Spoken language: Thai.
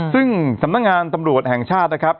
ซึ่งสำนักงานตำรวจแห่งชาตินะครับ